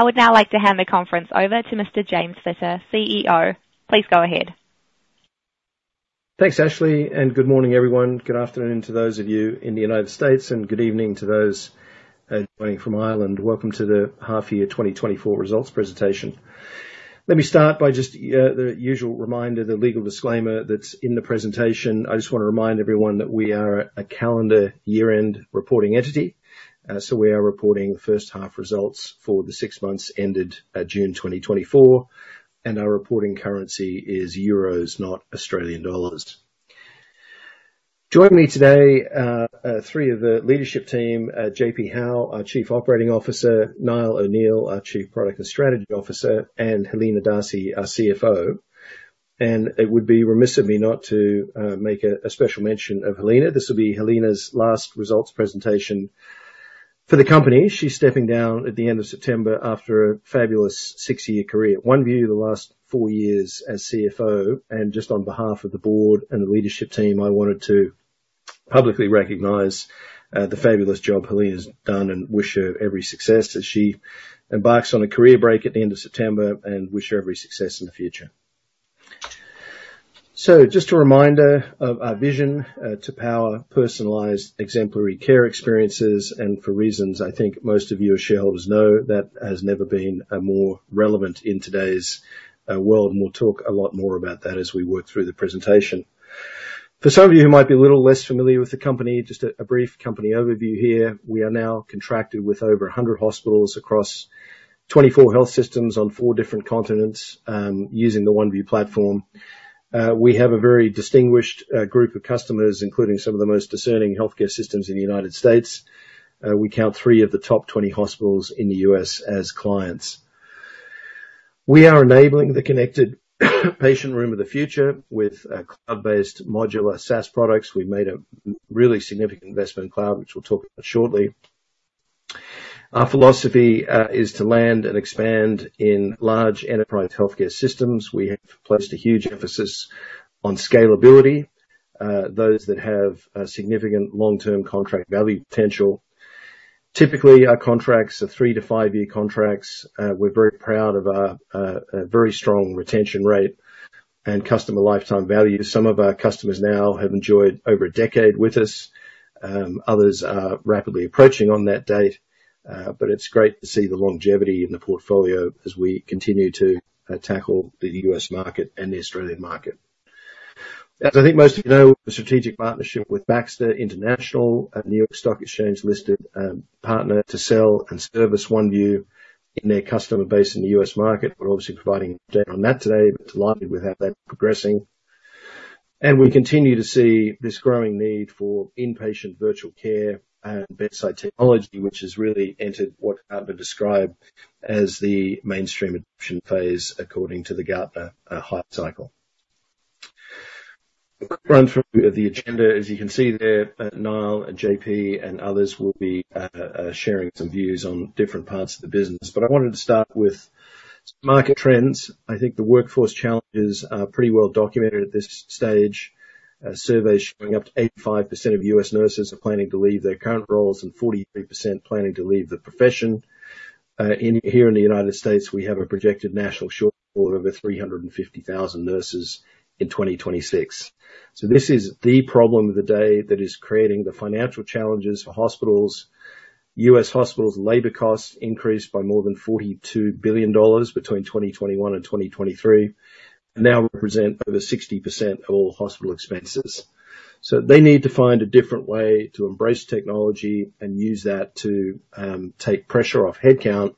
I would now like to hand the conference over to Mr. James Fitter, CEO. Please go ahead. Thanks, Ashley, and good morning, everyone. Good afternoon to those of you in the United States, and good evening to those joining from Ireland. Welcome to the half year twenty twenty-four results presentation. Let me start by just the usual reminder, the legal disclaimer that's in the presentation. I just want to remind everyone that we are a calendar year-end reporting entity, so we are reporting first half results for the six months ended June twenty twenty-four, and our reporting currency is euros, not Australian dollars. Joining me today are three of the leadership team, JP Howe, our Chief Operating Officer, Niall O'Neill, our Chief Product and Strategy Officer, and Helena D'Arcy, our CFO. And it would be remiss of me not to make a special mention of Helena. This will be Helena's last results presentation for the company. She's stepping down at the end of September after a fabulous six-year career. Oneview, the last four years as CFO, and just on behalf of the board and the leadership team, I wanted to publicly recognize the fabulous job Helena's done and wish her every success as she embarks on a career break at the end of September, and wish her every success in the future. So just a reminder of our vision to power personalized, exemplary care experiences, and for reasons I think most of you or shareholders know, that has never been a more relevant in today's world, and we'll talk a lot more about that as we work through the presentation. For some of you who might be a little less familiar with the company, just a brief company overview here. We are now contracted with over 100 hospitals across 24 health systems on four different continents, using the Oneview platform. We have a very distinguished group of customers, including some of the most discerning healthcare systems in the United States. We count three of the top 20 hospitals in the U.S. as clients. We are enabling the connected patient room of the future with cloud-based modular SaaS products. We've made really significant investment in cloud, which we'll talk about shortly. Our philosophy is to land and expand in large enterprise healthcare systems. We have placed a huge emphasis on scalability, those that have a significant long-term contract value potential. Typically, our contracts are three- to five-year contracts. We're very proud of our very strong retention rate and customer lifetime value. Some of our customers now have enjoyed over a decade with us, others are rapidly approaching on that date, but it's great to see the longevity in the portfolio as we continue to tackle the U.S. market and the Australian market. As I think most of you know, the strategic partnership with Baxter International, a New York Stock Exchange-listed partner to sell and service Oneview in their customer base in the U.S. market. We're obviously providing an update on that today. Delighted with how that's progressing, and we continue to see this growing need for inpatient virtual care and bedside technology, which has really entered what hard to describe as the mainstream adoption phase, according to the Gartner Hype Cycle. A quick run-through of the agenda. As you can see there, Niall, and JP, and others will be sharing some views on different parts of the business. But I wanted to start with market trends. I think the workforce challenges are pretty well documented at this stage. Surveys showing up to 85% of U.S. nurses are planning to leave their current roles, and 43% planning to leave the profession. In here in the United States, we have a projected national shortfall of over 350,000 nurses in 2026. So this is the problem of the day that is creating the financial challenges for hospitals. U.S. hospitals' labor costs increased by more than $42 billion between 2021 and 2023, and now represent over 60% of all hospital expenses. So they need to find a different way to embrace technology and use that to take pressure off headcount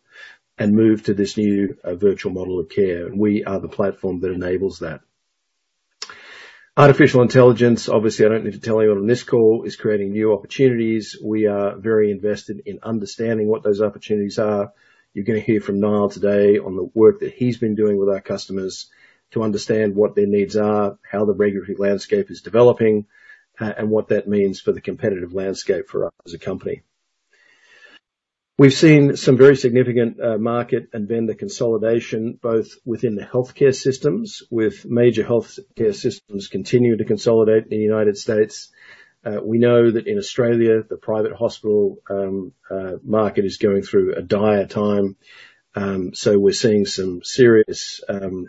and move to this new virtual model of care. We are the platform that enables that. Artificial intelligence, obviously, I don't need to tell anyone on this call, is creating new opportunities. We are very invested in understanding what those opportunities are. You're gonna hear from Niall today on the work that he's been doing with our customers to understand what their needs are, how the regulatory landscape is developing, and what that means for the competitive landscape for us as a company. We've seen some very significant market and vendor consolidation, both within the healthcare systems, with major healthcare systems continuing to consolidate in the United States. We know that in Australia, the private hospital market is going through a dire time, so we're seeing some serious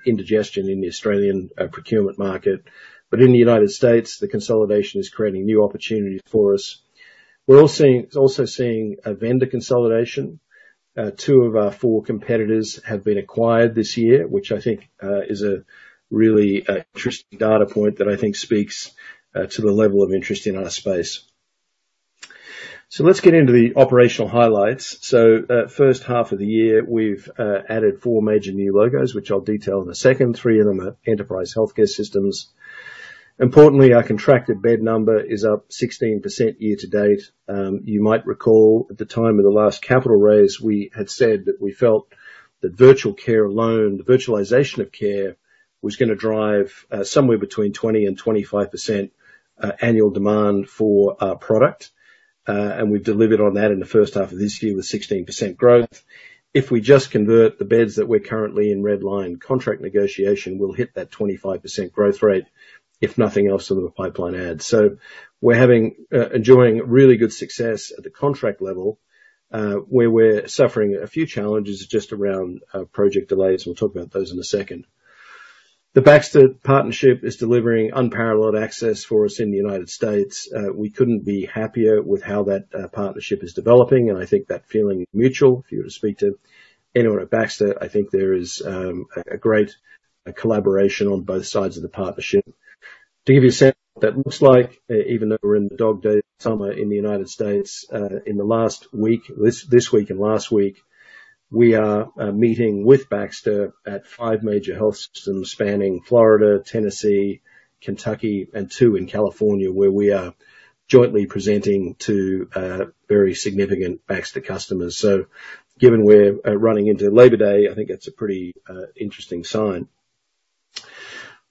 indigestion in the Australian procurement market. But in the United States, the consolidation is creating new opportunities for us. We're also seeing a vendor consolidation. Two of our four competitors have been acquired this year, which I think is a really interesting data point that I think speaks to the level of interest in our space. So let's get into the operational highlights. First half of the year, we've added four major new logos, which I'll detail in a second. Three of them are enterprise healthcare systems. Importantly, our contracted bed number is up 16% year to date. You might recall, at the time of the last capital raise, we had said that we felt that virtual care alone, the virtualization of care, was gonna drive somewhere between 20% and 25% annual demand for our product, and we've delivered on that in the first half of this year with 16% growth. If we just convert the beds that we're currently in red line contract negotiation, we'll hit that 25% growth rate, if nothing else out of the pipeline adds. So we're having, enjoying really good success at the contract level, where we're suffering a few challenges just around project delays. We'll talk about those in a second... The Baxter partnership is delivering unparalleled access for us in the United States. We couldn't be happier with how that partnership is developing, and I think that feeling is mutual. If you were to speak to anyone at Baxter, I think there is a great collaboration on both sides of the partnership. To give you a sense of what that looks like, even though we're in the dog days of summer in the United States, in the last week, this week and last week, we are meeting with Baxter at five major health systems spanning Florida, Tennessee, Kentucky, and two in California, where we are jointly presenting to very significant Baxter customers. So given we're running into Labor Day, I think it's a pretty interesting sign.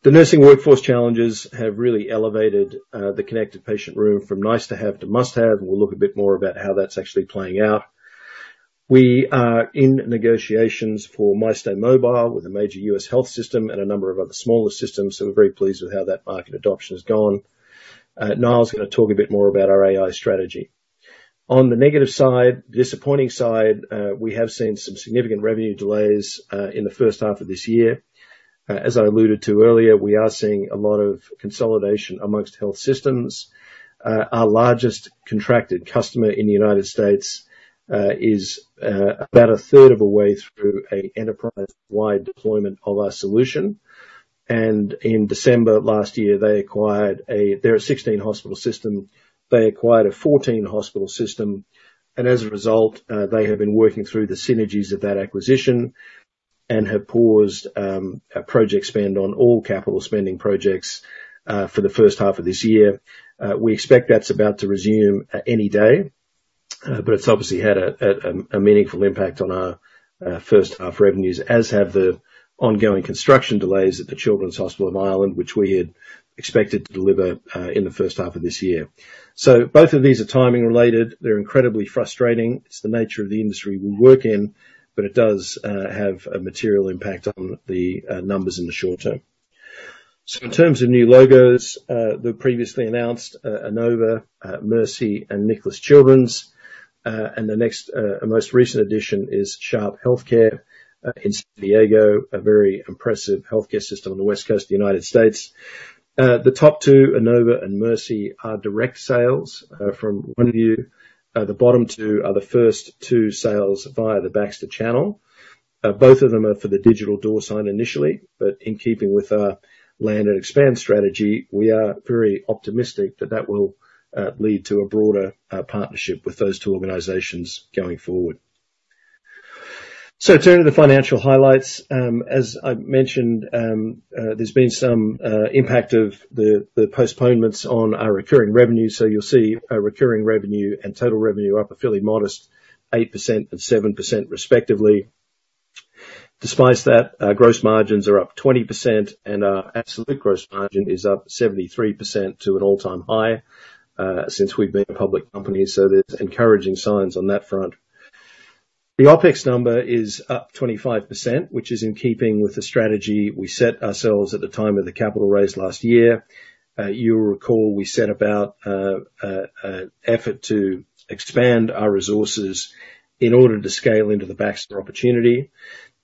The nursing workforce challenges have really elevated, the connected patient room from nice to have to must have, and we'll look a bit more about how that's actually playing out. We are in negotiations for MyStay Mobile with a major U.S. health system and a number of other smaller systems, so we're very pleased with how that market adoption has gone. Niall's gonna talk a bit more about our AI strategy. On the negative side, disappointing side, we have seen some significant revenue delays in the first half of this year. As I alluded to earlier, we are seeing a lot of consolidation amongst health systems. Our largest contracted customer in the United States is about a third of the way through an enterprise-wide deployment of our solution. And in December last year, they acquired a... They're a 16-hospital system. They acquired a fourteen-hospital system, and as a result, they have been working through the synergies of that acquisition and have paused a project spend on all capital spending projects for the first half of this year. We expect that's about to resume any day, but it's obviously had a meaningful impact on our first half revenues, as have the ongoing construction delays at the Children's Hospital of Ireland, which we had expected to deliver in the first half of this year, so both of these are timing related. They're incredibly frustrating. It's the nature of the industry we work in, but it does have a material impact on the numbers in the short term. So in terms of new logos, the previously announced Inova, Mercy, and Nicklaus Children's, and the next and most recent addition is Sharp HealthCare in San Diego, a very impressive healthcare system on the West Coast of the United States. The top two, Inova and Mercy, are direct sales from Oneview. The bottom two are the first two sales via the Baxter channel. Both of them are for the Digital Door Sign initially, but in keeping with our land and expand strategy, we are very optimistic that that will lead to a broader partnership with those two organizations going forward. Turning to the financial highlights, as I mentioned, there's been some impact of the postponements on our recurring revenue, so you'll see our recurring revenue and total revenue up a fairly modest 8% and 7% respectively. Despite that, our gross margins are up 20%, and our absolute gross margin is up 73% to an all-time high since we've been a public company, so there's encouraging signs on that front. The OpEx number is up 25%, which is in keeping with the strategy we set ourselves at the time of the capital raise last year. You will recall, we set about an effort to expand our resources in order to scale into the Baxter opportunity.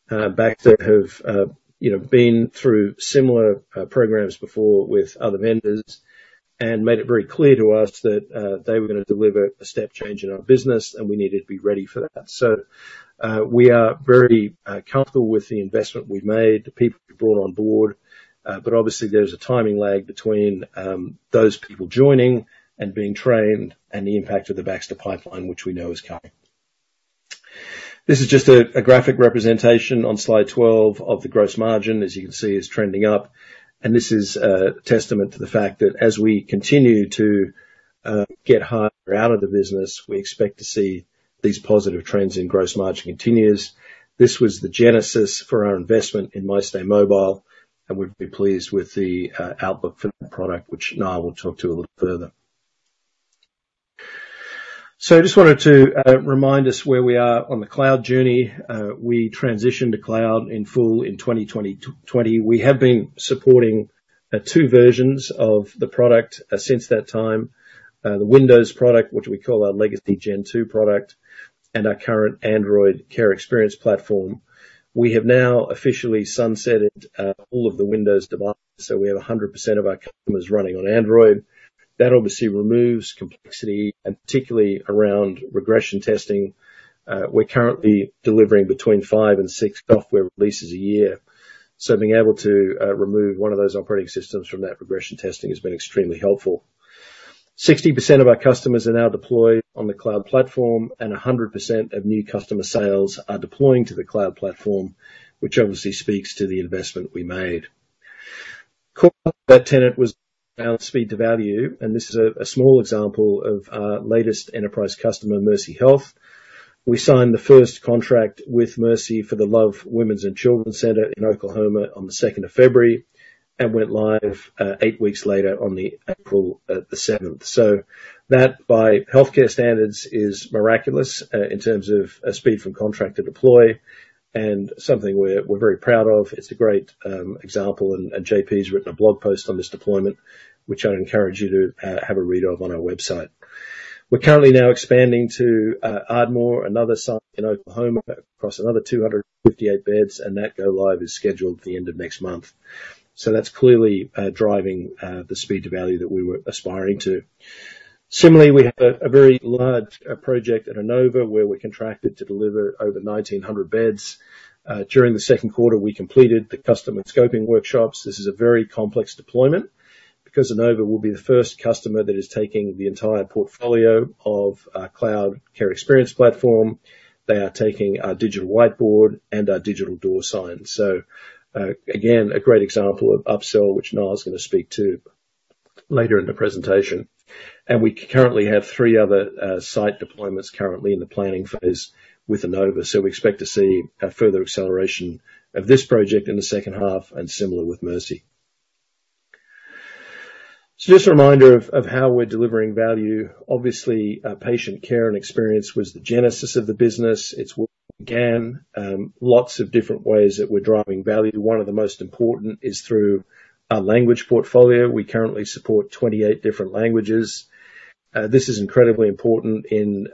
Baxter have, you know, been through similar programs before with other vendors and made it very clear to us that they were gonna deliver a step change in our business, and we needed to be ready for that. So, we are very comfortable with the investment we've made, the people we've brought on board, but obviously there's a timing lag between those people joining and being trained and the impact of the Baxter pipeline, which we know is coming. This is just a graphic representation on Slide 12 of the gross margin. As you can see, it's trending up, and this is a testament to the fact that as we continue to get higher out of the business, we expect to see these positive trends in gross margin continues. This was the genesis for our investment in MyStay Mobile, and we've been pleased with the outlook for the product, which Niall will talk to a little further. So I just wanted to remind us where we are on the cloud journey. We transitioned to cloud in full in 2020. We have been supporting two versions of the product since that time, the Windows product, which we call our Legacy Gen 2 product, and our current Android Care Experience Platform. We have now officially sunsetted all of the Windows devices, so we have 100% of our customers running on Android. That obviously removes complexity, and particularly around regression testing. We're currently delivering between five and six software releases a year, so being able to remove one of those operating systems from that regression testing has been extremely helpful. 60% of our customers are now deployed on the cloud platform, and 100% of new customer sales are deploying to the cloud platform, which obviously speaks to the investment we made. Core to that tenet was our speed to value, and this is a small example of our latest enterprise customer, Mercy Health. We signed the first contract with Mercy for the Love Women's and Children's Center in Oklahoma on the second of February, and went live eight weeks later on April the seventh. So that, by healthcare standards, is miraculous in terms of speed from contract to deploy, and something we're very proud of. It's a great example, and JP's written a blog post on this deployment, which I encourage you to have a read of on our website. We're currently now expanding to Ardmore, another site in Oklahoma, across another 258 beds, and that go live is scheduled at the end of next month. So that's clearly driving the speed to value that we were aspiring to. Similarly, we have a very large project at Inova, where we're contracted to deliver over 1,900 beds. During the second quarter, we completed the customer scoping workshops. This is a very complex deployment, because Inova will be the first customer that is taking the entire portfolio of our cloud care experience platform. They are taking our Digital Whiteboard and our Digital Door Signs. Again, a great example of upsell, which Niall's gonna speak to later in the presentation, and we currently have three other site deployments in the planning phase with Inova, so we expect to see a further acceleration of this project in the second half, and similar with Mercy. Just a reminder of how we're delivering value. Obviously, patient care and experience was the genesis of the business. It's working again, lots of different ways that we're driving value. One of the most important is through our language portfolio. We currently support 28 different languages. This is incredibly important in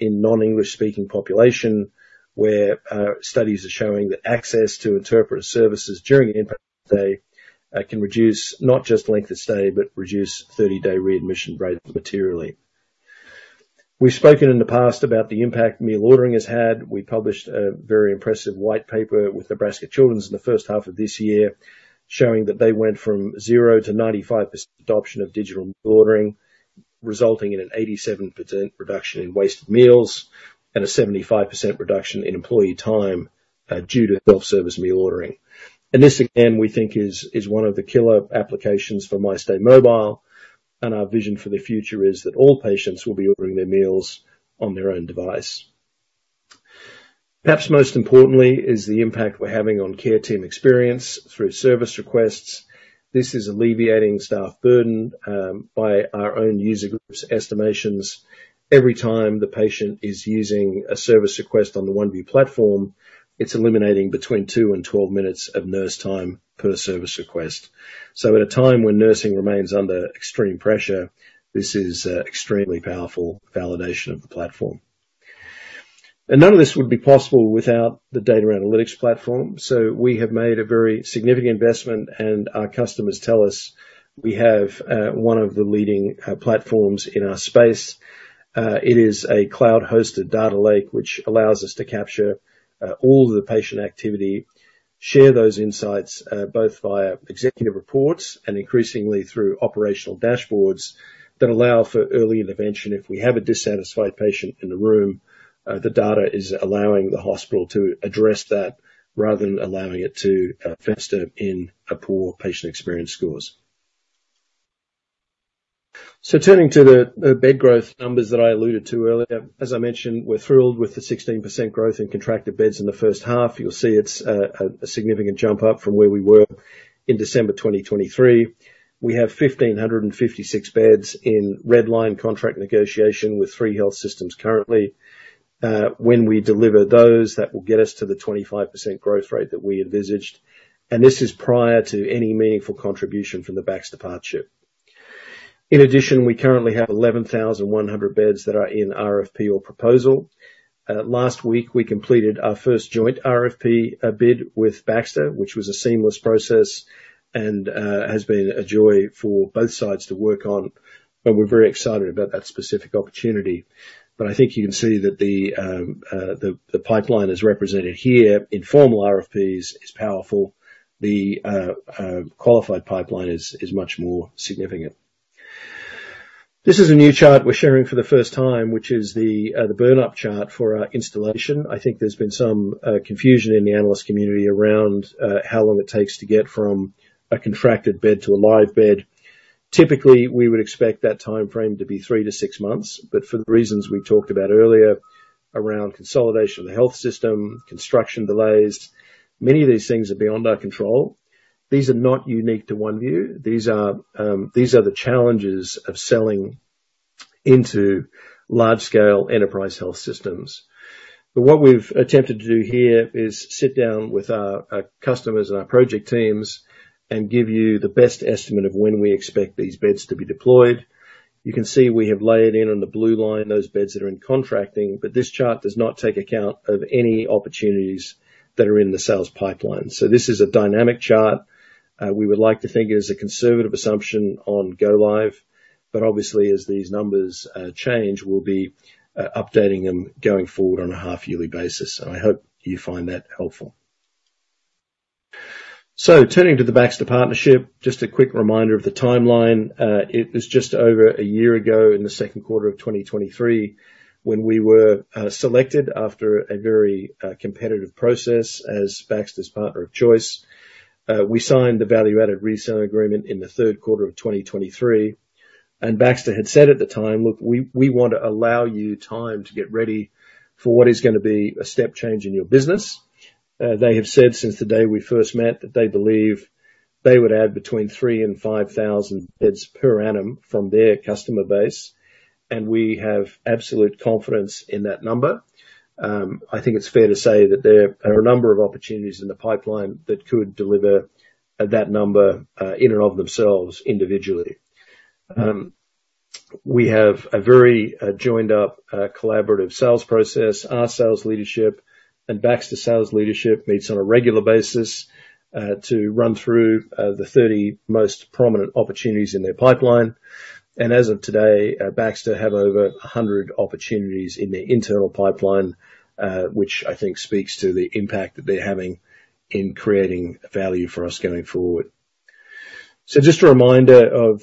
non-English-speaking population, where studies are showing that access to interpreter services during an inpatient day can reduce not just length of stay, but reduce 30-day readmission rate materially. We've spoken in the past about the impact meal ordering has had. We published a very impressive white paper with Children's Nebraska in the first half of this year, showing that they went from zero to 95% adoption of digital ordering, resulting in an 87% reduction in wasted meals and a 75% reduction in employee time, due to self-service meal ordering. And this, again, we think is, is one of the killer applications for MyStay Mobile, and our vision for the future is that all patients will be ordering their meals on their own device. Perhaps most importantly is the impact we're having on care team experience through service requests. This is alleviating staff burden, by our own user groups estimations. Every time the patient is using a service request on the Oneview platform, it's eliminating between two and twelve minutes of nurse time per service request. So at a time when nursing remains under extreme pressure, this is extremely powerful validation of the platform. And none of this would be possible without the data analytics platform. So we have made a very significant investment, and our customers tell us we have one of the leading platforms in our space. It is a cloud-hosted data lake, which allows us to capture all of the patient activity, share those insights both via executive reports and increasingly through operational dashboards that allow for early intervention. If we have a dissatisfied patient in the room, the data is allowing the hospital to address that, rather than allowing it to fester in a poor patient experience scores. Turning to the bed growth numbers that I alluded to earlier, as I mentioned, we're thrilled with the 16% growth in contracted beds in the first half. You'll see it's a significant jump up from where we were in December 2023. We have 1,556 beds in red line contract negotiation with three health systems currently. When we deliver those, that will get us to the 25% growth rate that we envisaged, and this is prior to any meaningful contribution from the Baxter partnership. In addition, we currently have 11,100 beds that are in RFP or proposal. Last week, we completed our first joint RFP bid with Baxter, which was a seamless process and has been a joy for both sides to work on, but we're very excited about that specific opportunity. But I think you can see that the pipeline is represented here in formal RFPs, is powerful. The qualified pipeline is much more significant. This is a new chart we're sharing for the first time, which is the burnup chart for our installation. I think there's been some confusion in the analyst community around how long it takes to get from a contracted bed to a live bed. Typically, we would expect that timeframe to be three to six months, but for the reasons we talked about earlier, around consolidation of the health system, construction delays, many of these things are beyond our control. These are not unique to Oneview. These are the challenges of selling into large scale enterprise health systems. But what we've attempted to do here is sit down with our customers and our project teams, and give you the best estimate of when we expect these beds to be deployed. You can see we have laid in on the blue line, those beds that are in contracting, but this chart does not take account of any opportunities that are in the sales pipeline. So this is a dynamic chart. We would like to think it is a conservative assumption on go live, but obviously as these numbers change, we'll be updating them going forward on a half yearly basis, and I hope you find that helpful. So turning to the Baxter partnership, just a quick reminder of the timeline. It is just over a year ago, in the second quarter of 2023, when we were selected after a very competitive process as Baxter's partner of choice. We signed the value-added reseller agreement in the third quarter of 2023, and Baxter had said at the time, "Look, we want to allow you time to get ready for what is gonna be a step change in your business." They have said since the day we first met, that they believe they would add between three and five thousand beds per annum from their customer base, and we have absolute confidence in that number. I think it's fair to say that there are a number of opportunities in the pipeline that could deliver that number in and of themselves individually. We have a very joined up collaborative sales process. Our sales leadership and Baxter sales leadership meets on a regular basis to run through the 30 most prominent opportunities in their pipeline. As of today, Baxter have over 100 opportunities in their internal pipeline, which I think speaks to the impact that they're having in creating value for us going forward. Just a reminder of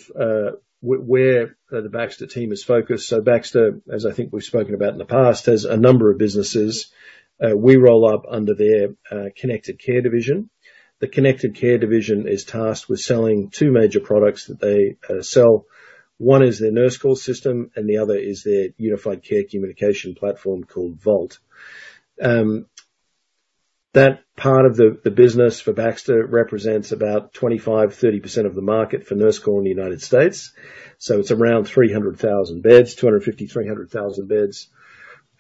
where the Baxter team is focused. Baxter, as I think we've spoken about in the past, has a number of businesses. We roll up under their Connected Care division. The Connected Care division is tasked with selling two major products that they sell. One is their Nurse Call System, and the other is their Unified Care Communication platform called Vault. That part of the business for Baxter represents about 25%-30% of the market for Nurse Call in the United States, so it's around 300,000 beds, 250,000-300,000 beds.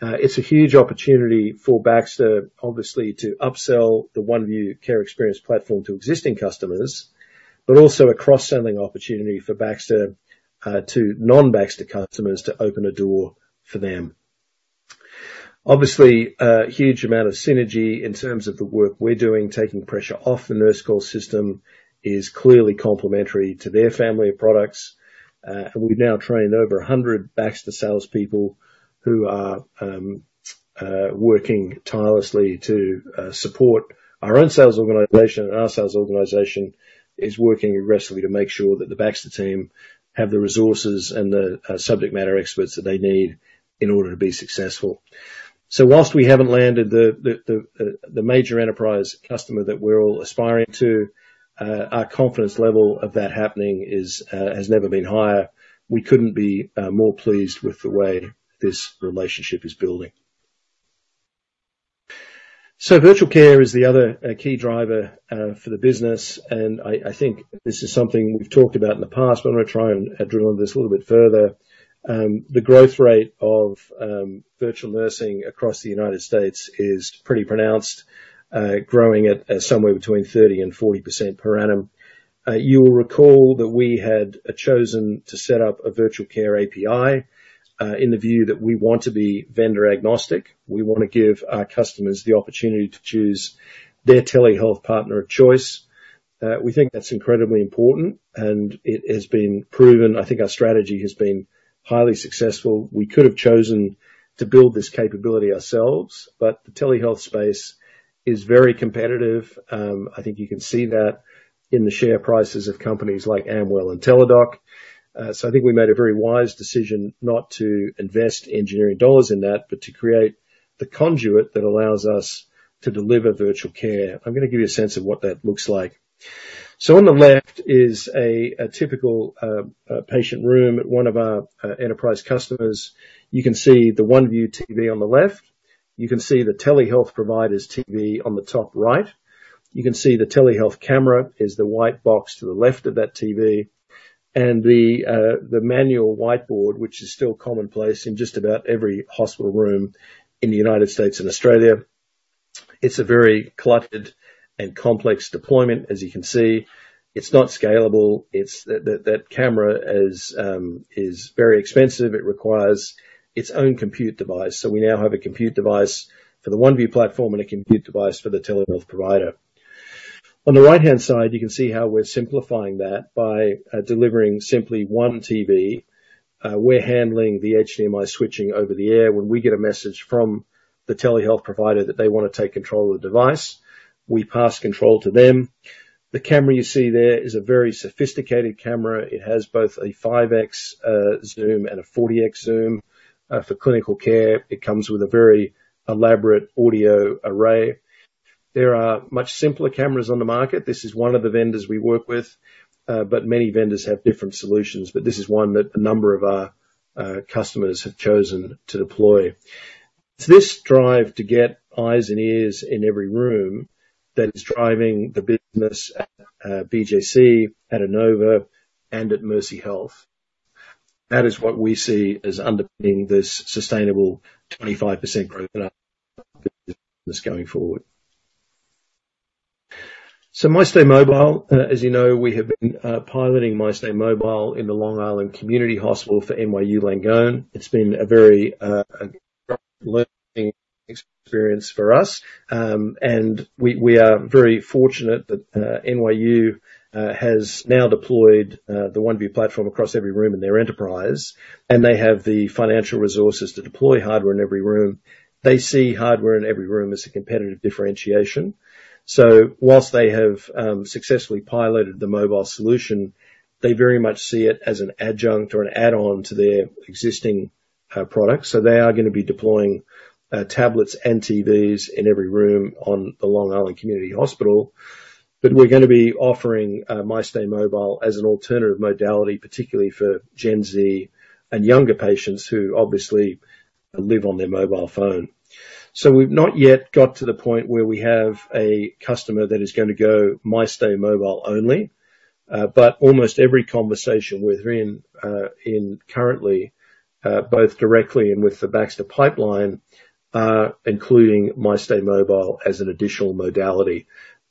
It's a huge opportunity for Baxter, obviously, to upsell the Oneview Care Experience Platform to existing customers, but also a cross-selling opportunity for Baxter, to non-Baxter customers to open a door for them. Obviously, a huge amount of synergy in terms of the work we're doing. Taking pressure off the Nurse Call system is clearly complementary to their family of products. And we've now trained over a hundred Baxter salespeople who are working tirelessly to support our own sales organization, and our sales organization is working aggressively to make sure that the Baxter team have the resources and the subject matter experts that they need in order to be successful. So while we haven't landed the major enterprise customer that we're all aspiring to, our confidence level of that happening is has never been higher. We couldn't be more pleased with the way this relationship is building. So Virtual Care is the other key driver for the business, and I think this is something we've talked about in the past, but I'm gonna try and drill on this a little bit further. The growth rate of virtual nursing across the United States is pretty pronounced, growing at somewhere between 30%-40% per annum. You will recall that we had chosen to set up a virtual care API, in the view that we want to be vendor agnostic. We want to give our customers the opportunity to choose their telehealth partner of choice. We think that's incredibly important, and it has been proven. I think our strategy has been highly successful. We could have chosen to build this capability ourselves, but the telehealth space is very competitive. I think you can see that in the share prices of companies like Amwell and Teladoc. So I think we made a very wise decision not to invest engineering dollars in that, but to create the conduit that allows us to deliver virtual care. I'm gonna give you a sense of what that looks like. So on the left is a typical patient room at one of our enterprise customers. You can see the Oneview TV on the left. You can see the telehealth provider's TV on the top right. You can see the telehealth camera is the white box to the left of that TV, and the manual whiteboard, which is still commonplace in just about every hospital room in the United States and Australia. It's a very cluttered and complex deployment, as you can see. It's not scalable. That camera is very expensive. It requires its own compute device. So we now have a compute device for the Oneview platform and a compute device for the telehealth provider. On the right-hand side, you can see how we're simplifying that by delivering simply one TV. We're handling the HDMI switching over the air. When we get a message from the telehealth provider that they want to take control of the device, we pass control to them. The camera you see there is a very sophisticated camera. It has both a 5X zoom and a 40X zoom. For clinical care, it comes with a very elaborate audio array. There are much simpler cameras on the market. This is one of the vendors we work with, but many vendors have different solutions, but this is one that a number of our customers have chosen to deploy. It's this drive to get eyes and ears in every room that is driving the business at BJC, at Inova, and at Mercy Health. That is what we see as underpinning this sustainable 25% growth rate going forward, so MyStay Mobile, as you know, we have been piloting MyStay Mobile in the Long Island Community Hospital for NYU Langone. It's been a very learning experience for us, and we are very fortunate that NYU has now deployed the Oneview platform across every room in their enterprise, and they have the financial resources to deploy hardware in every room. They see hardware in every room as a competitive differentiation, so while they have successfully piloted the mobile solution, they very much see it as an adjunct or an add-on to their existing product, so they are gonna be deploying tablets and TVs in every room on the Long Island Community Hospital. But we're gonna be offering MyStay Mobile as an alternative modality, particularly for Gen Z and younger patients who obviously live on their mobile phone. So we've not yet got to the point where we have a customer that is gonna go MyStay Mobile only, but almost every conversation we're in, both directly and with the Baxter pipeline, including MyStay Mobile as an additional modality.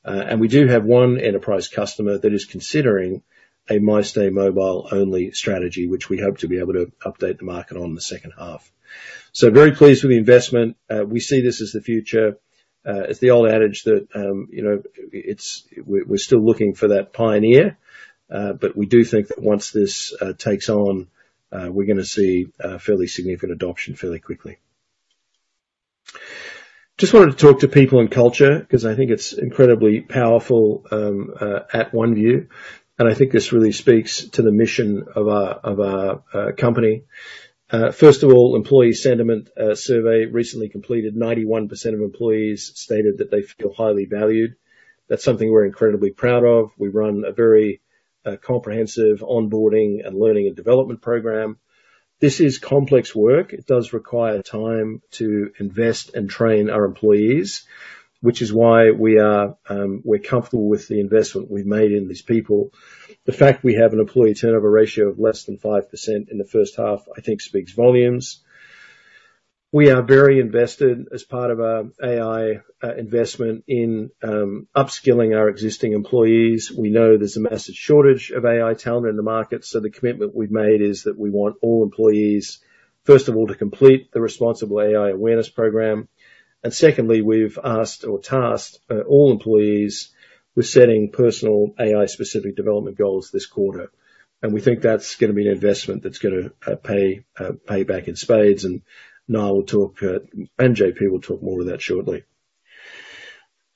And we do have one enterprise customer that is considering a MyStay Mobile-only strategy, which we hope to be able to update the market on in the second half. So very pleased with the investment. We see this as the future. As the old adage that it's we're still looking for that pioneer, but we do think that once this takes on, we're gonna see fairly significant adoption fairly quickly. Just wanted to talk to people and culture, 'cause I think it's incredibly powerful at Oneview, and I think this really speaks to the mission of our company. First of all, employee sentiment survey recently completed. 91% of employees stated that they feel highly valued. That's something we're incredibly proud of. We run a very comprehensive onboarding and learning and development program. This is complex work. It does require time to invest and train our employees, which is why we're comfortable with the investment we've made in these people. The fact we have an employee turnover ratio of less than 5% in the first half, I think speaks volumes. We are very invested as part of our AI investment in upskilling our existing employees. We know there's a massive shortage of AI talent in the market, so the commitment we've made is that we want all employees, first of all, to complete the Responsible AI Awareness Program, and secondly, we've asked or tasked all employees with setting personal AI-specific development goals this quarter. And we think that's gonna be an investment that's gonna pay back in spades, and Niall will talk and JP will talk more to that shortly.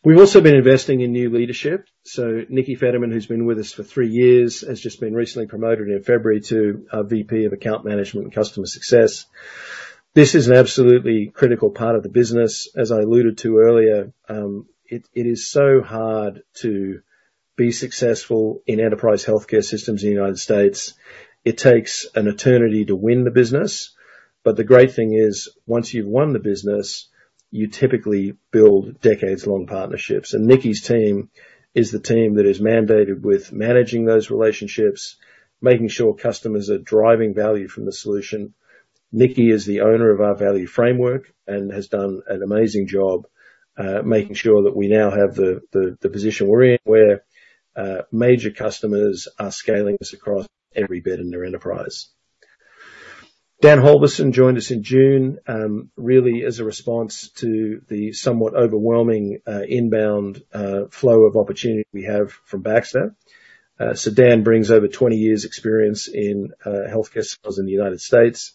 We've also been investing in new leadership. Nikki Federman, who's been with us for three years, has just been recently promoted in February to VP of Account Management and Customer Success. This is an absolutely critical part of the business. As I alluded to earlier, it is so hard to be successful in enterprise healthcare systems in the United States. It takes an eternity to win the business, but the great thing is, once you've won the business, you typically build decades-long partnerships. Nikki's team is the team that is mandated with managing those relationships, making sure customers are driving value from the solution. Nikki is the owner of our value framework and has done an amazing job, making sure that we now have the position we're in, where major customers are scaling this across every bed in their enterprise. Dan Halvorsen joined us in June really as a response to the somewhat overwhelming inbound flow of opportunity we have from Baxter. So Dan brings over twenty years' experience in healthcare sales in the United States.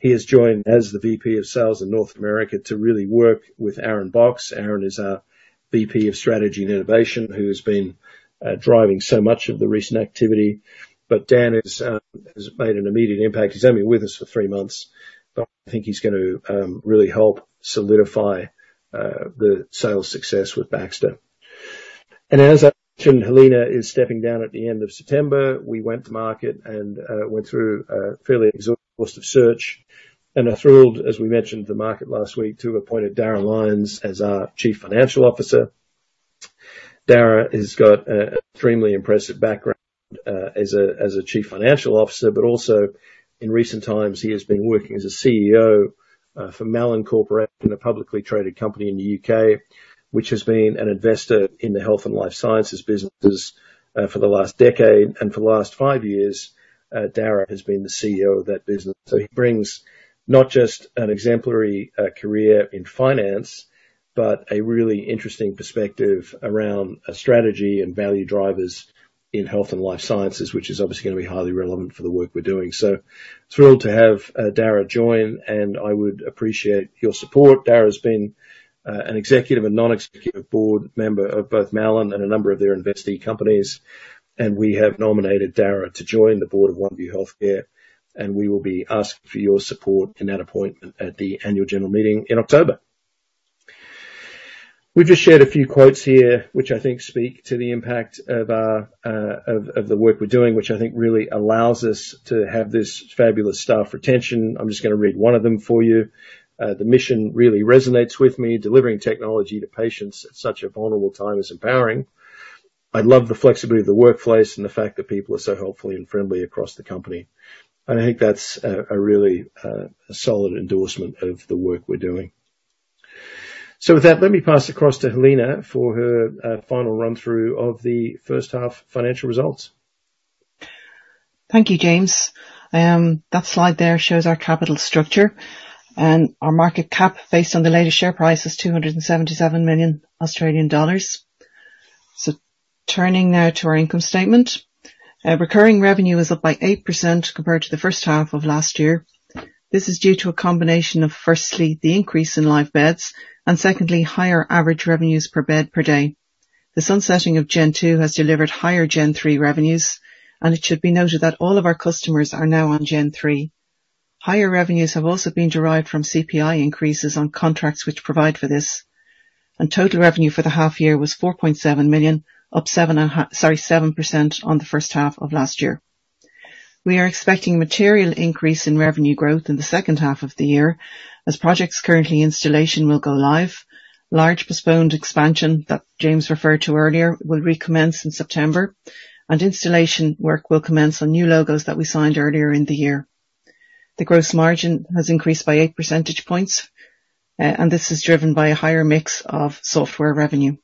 He has joined as the VP of Sales in North America to really work with Aaron Box. Aaron is our VP of Strategy and Innovation, who has been driving so much of the recent activity. But Dan has made an immediate impact. He's only been with us for three months, but I think he's going to really help solidify the sales success with Baxter. As I mentioned, Helena is stepping down at the end of September. We went to market and went through a fairly exhaustive search, and are thrilled, as we mentioned to the market last week, to have appointed Dara Lyons as our Chief Financial Officer. Dara has got an extremely impressive background as a Chief Financial Officer, but also, in recent times, he has been working as a CEO for Malin Corporation, a publicly traded company in the U.K., which has been an investor in the health and life sciences businesses for the last decade, and for the last five years, Dara has been the CEO of that business, so he brings not just an exemplary career in finance, but a really interesting perspective around a strategy and value drivers in health and life sciences, which is obviously gonna be highly relevant for the work we're doing. So thrilled to have Dara join, and I would appreciate your support. Dara's been an executive and non-executive board member of both Malin and a number of their investee companies, and we have nominated Dara to join the board of Oneview Healthcare, and we will be asking for your support in that appointment at the annual general meeting in October. We've just shared a few quotes here, which I think speak to the impact of our work we're doing, which I think really allows us to have this fabulous staff retention. I'm just gonna read one of them for you. "The mission really resonates with me. Delivering technology to patients at such a vulnerable time is empowering. I love the flexibility of the workplace and the fact that people are so helpful and friendly across the company." And I think that's a really solid endorsement of the work we're doing. So with that, let me pass across to Helena for her final run-through of the first half financial results. Thank you, James. That slide there shows our capital structure, and our market cap, based on the latest share price, is 277 million Australian dollars. So turning now to our income statement. Recurring revenue is up by 8% compared to the first half of last year. This is due to a combination of, firstly, the increase in live beds, and secondly, higher average revenues per bed per day. The sunsetting of Gen Two has delivered higher Gen Three revenues, and it should be noted that all of our customers are now on Gen Three. Higher revenues have also been derived from CPI increases on contracts which provide for this, and total revenue for the half year was 4.7 million, up 7% on the first half of last year. We are expecting material increase in revenue growth in the second half of the year as projects currently in installation will go live. Large postponed expansion, that James referred to earlier, will recommence in September, and installation work will commence on new logos that we signed earlier in the year. The gross margin has increased by eight percentage points, and this is driven by a higher mix of software revenue.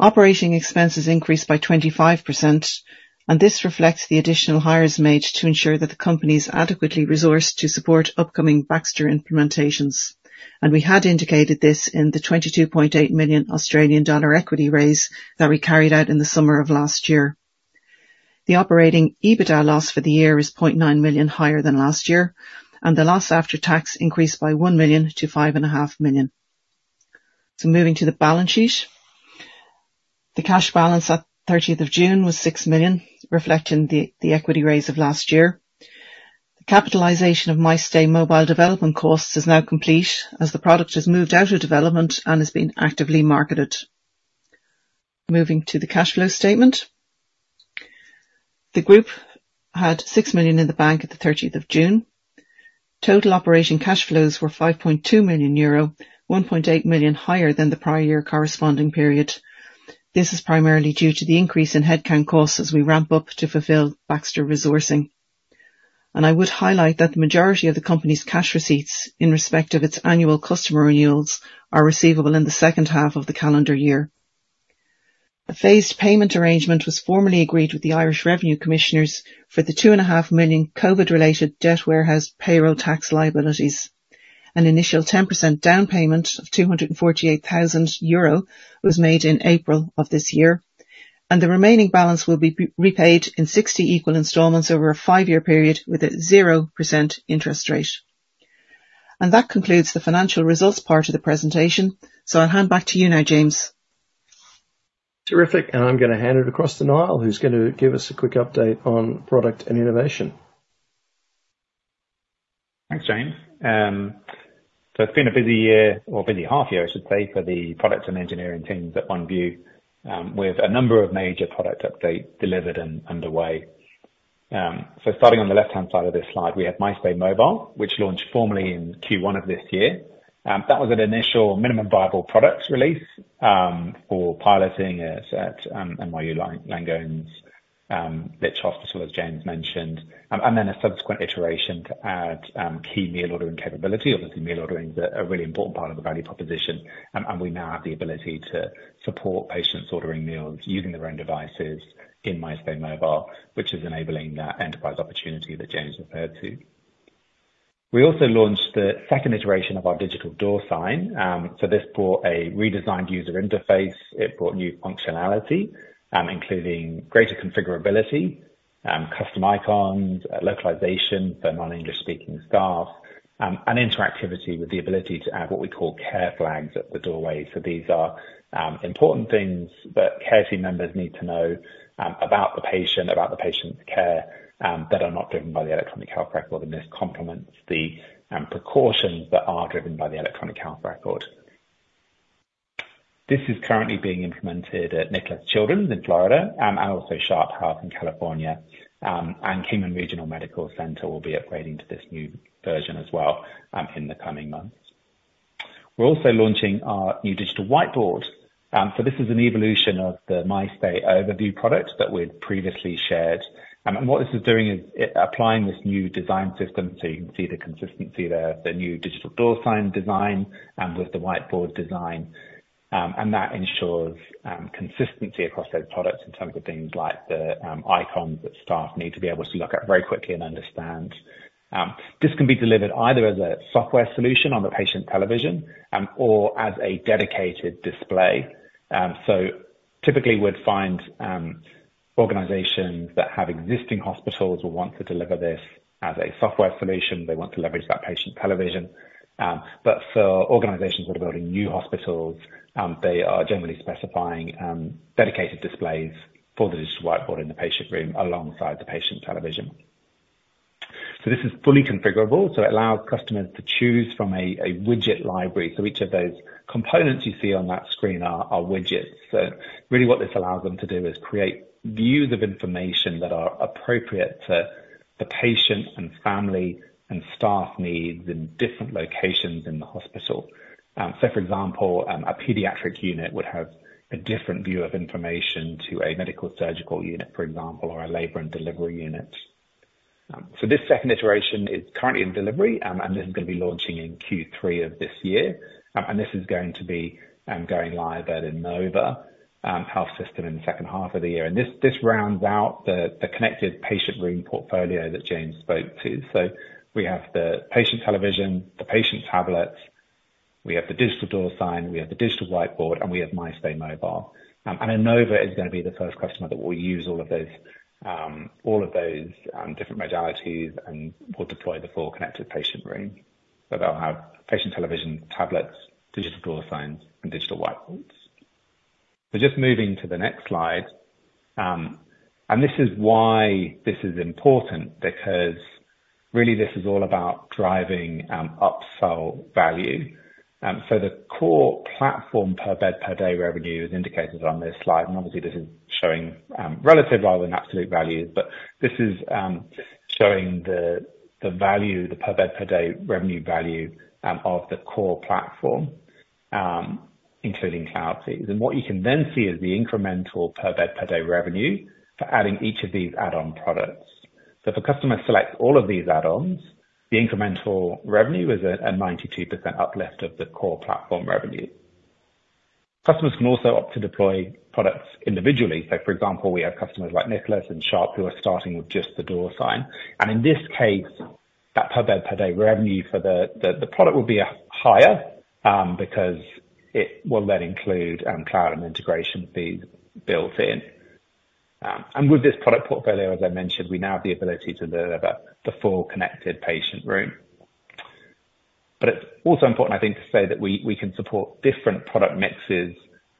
Operating expenses increased by 25%, and this reflects the additional hires made to ensure that the company's adequately resourced to support upcoming Baxter implementations. We had indicated this in the 22.8 million Australian dollar equity raise that we carried out in the summer of last year. The operating EBITDA loss for the year is 0.9 million EUR higher than last year, and the loss after tax increased by 1 million EUR to 5.5 million EUR. Moving to the balance sheet. The cash balance at 13th of June was 6 million EUR, reflecting the equity raise of last year. The capitalization of MyStay Mobile development costs is now complete, as the product has moved out of development and is being actively marketed. Moving to the cash flow statement. The group had 6 million EUR in the bank at 13th of June. Total operating cash flows were 5.2 million euro, 1.8 million EUR higher than the prior year corresponding period. This is primarily due to the increase in headcount costs as we ramp up to fulfill Baxter resourcing. I would highlight that the majority of the company's cash receipts in respect of its annual customer renewals are receivable in the second half of the calendar year. A phased payment arrangement was formally agreed with the Irish Revenue Commissioners for the 2.5 million COVID-related debt warehouse payroll tax liabilities. An initial 10% down payment of 248,000 euro was made in April of this year, and the remaining balance will be repaid in 60 equal installments over a five-year period with a 0% interest rate. That concludes the financial results part of the presentation. I'll hand back to you now, James. Terrific, and I'm gonna hand it across to Niall, who's gonna give us a quick update on product and innovation. Thanks, James. So it's been a busy year, or busy half year, I should say, for the products and engineering teams at Oneview, with a number of major product updates delivered and underway. So starting on the left-hand side of this slide, we have MyStay Mobile, which launched formally in Q1 of this year. That was an initial minimum viable products release for piloting it at NYU Langone, which hospital, as James mentioned. And then a subsequent iteration to add key meal ordering capability. Obviously, meal ordering is a really important part of the value proposition, and we now have the ability to support patients ordering meals using their own devices in MyStay Mobile, which is enabling that enterprise opportunity that James referred to. We also launched the second iteration of our Digital Door Sign. So this brought a redesigned user interface. It brought new functionality, including greater configurability, custom icons, localization for non-English speaking staff, and interactivity with the ability to add what we call care flags at the doorway. So these are important things that care team members need to know about the patient, about the patient's care, that are not driven by the electronic health record, and this complements the precautions that are driven by the electronic health record. This is currently being implemented at Nicklaus Children's in Florida, and also Sharp Health in California, and Cheyenne Regional Medical Center will be upgrading to this new version as well, in the coming months. We're also launching our new Digital Whiteboard. So this is an evolution of the MyStay overview product that we'd previously shared. What this is doing is it applying this new design system, so you can see the consistency there, the new Digital Door Sign design, and with the whiteboard design. That ensures consistency across those products in terms of things like the icons that staff need to be able to look at very quickly and understand. This can be delivered either as a software solution on the patient television or as a dedicated display. So typically, we'd find organizations that have existing hospitals will want to deliver this as a software solution. They want to leverage that patient television. But for organizations that are building new hospitals, they are generally specifying dedicated displays for the Digital Whiteboard in the patient room, alongside the patient television. This is fully configurable, so it allows customers to choose from a widget library. Each of those components you see on that screen are widgets. Really what this allows them to do is create views of information that are appropriate to the patient, and family, and staff needs in different locations in the hospital. For example, a pediatric unit would have a different view of information to a medical surgical unit, for example, or a labor and delivery unit. This second iteration is currently in delivery, and this is gonna be launching in Q3 of this year. This is going to be going live at Inova Health System in the second half of the year. This rounds out the connected patient room portfolio that James spoke to. So we have the patient television, the patient tablets, we have the Digital Door Sign, we have the Digital Whiteboard, and we have MyStay Mobile. And Inova is gonna be the first customer that will use all of those, different modalities and will deploy the full connected patient room. So they'll have patient television, tablets, Digital Door Signs, and Digital Whiteboards. So just moving to the next slide, and this is why this is important, because really this is all about driving, upsell value. So the core platform per bed, per day revenue is indicated on this slide, and obviously, this is showing, relative rather than absolute values. But this is showing the value, the per bed, per day revenue value, of the core platform, including cloud fees. What you can then see is the incremental per bed, per day revenue for adding each of these add-on products. If a customer selects all of these add-ons, the incremental revenue is at a 92% uplift of the core platform revenue. Customers can also opt to deploy products individually. For example, we have customers like Nicklaus and Sharp, who are starting with just the door sign. In this case, that per bed, per day revenue for the product will be higher because it will then include cloud and integration fees built in. With this product portfolio, as I mentioned, we now have the ability to deliver the full connected patient room. It's also important, I think, to say that we can support different product mixes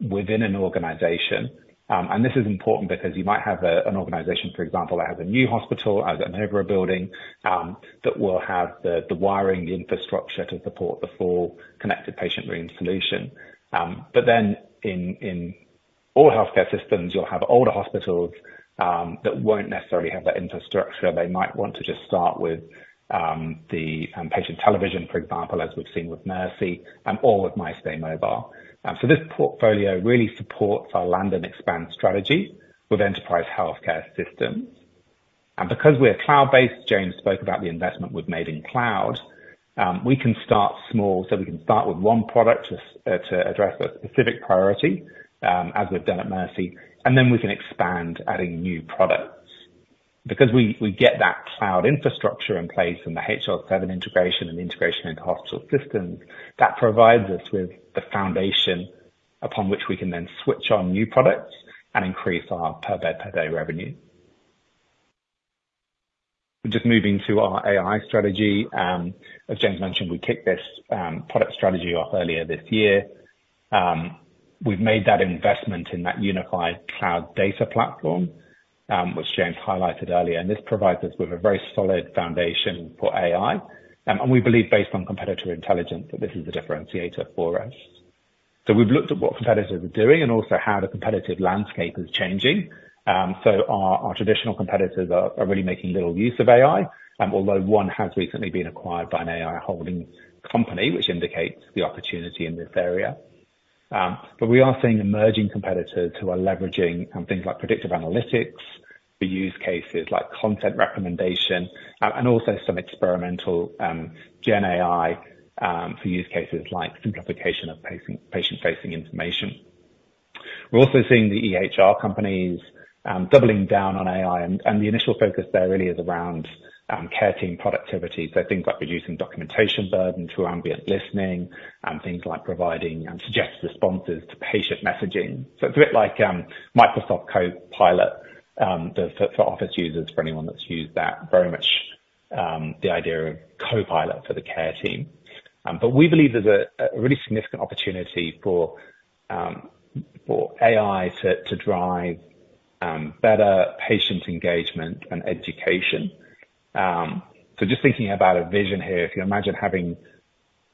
within an organization. And this is important because you might have an organization, for example, that has a new hospital, has a newer building, that will have the wiring infrastructure to support the full connected patient room solution. But then in all healthcare systems, you'll have older hospitals that won't necessarily have that infrastructure. They might want to just start with the patient television, for example, as we've seen with Mercy and all with MyStay Mobile. And so this portfolio really supports our land and expand strategy with enterprise healthcare systems. And because we're cloud-based, James spoke about the investment we've made in cloud, we can start small. So we can start with one product to address a specific priority, as we've done at Mercy, and then we can expand, adding new products. Because we get that cloud infrastructure in place and the HL7 integration and integration into hospital systems, that provides us with the foundation upon which we can then switch on new products and increase our per bed per day revenue. Just moving to our AI strategy, as James mentioned, we kicked this product strategy off earlier this year. We've made that investment in that unified cloud data platform, which James highlighted earlier, and this provides us with a very solid foundation for AI, and we believe, based on competitor intelligence, that this is a differentiator for us, so we've looked at what competitors are doing and also how the competitive landscape is changing. So our traditional competitors are really making little use of AI, although one has recently been acquired by an AI holding company, which indicates the opportunity in this area. But we are seeing emerging competitors who are leveraging on things like predictive analytics for use cases like content recommendation, and also some experimental Gen AI for use cases like simplification of patient-facing information. We're also seeing the EHR companies doubling down on AI, and the initial focus there really is around care team productivity. So things like reducing documentation burden to ambient listening, things like providing suggested responses to patient messaging. So it's a bit like Microsoft Copilot for Office users, for anyone that's used that, very much the idea of Copilot for the care team. But we believe there's a really significant opportunity for AI to drive better patient engagement and education. So just thinking about a vision here, if you imagine having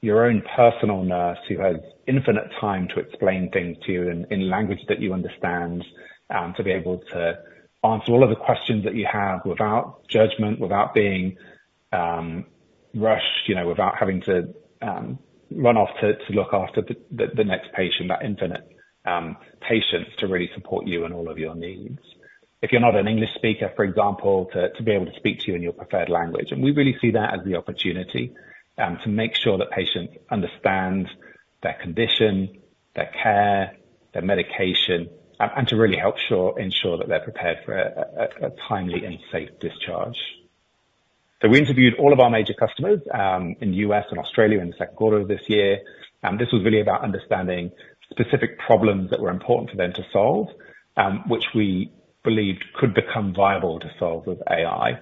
your own personal nurse who has infinite time to explain things to you in language that you understand, to be able to answer all of the questions that you have without judgment, without being rushed, you know, without having to run off to look after the next patient, that infinite patience to really support you in all of your needs. If you're not an English speaker, for example, to be able to speak to you in your preferred language. And we really see that as the opportunity to make sure that patients understand their condition, their care, their medication, and to really help ensure that they're prepared for a timely and safe discharge. We interviewed all of our major customers in the U.S. and Australia in the second quarter of this year, and this was really about understanding specific problems that were important for them to solve, which we believed could become viable to solve with AI.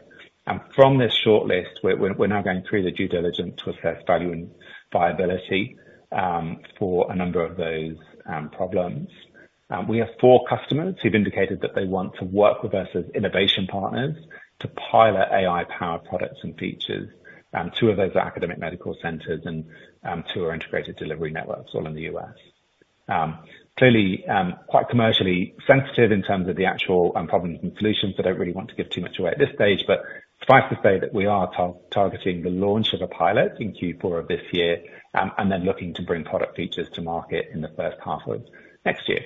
And from this shortlist, we're now going through the due diligence to assess value and viability for a number of those problems. We have four customers who've indicated that they want to work with us as innovation partners to pilot AI-powered products and features. Two of those are academic medical centers and two are integrated delivery networks, all in the U.S. Clearly, quite commercially sensitive in terms of the actual problems and solutions. I don't really want to give too much away at this stage, but suffice to say that we are targeting the launch of a pilot in Q4 of this year and then looking to bring product features to market in the first half of next year.